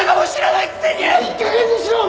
いいかげんにしろ！